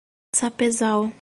Sapezal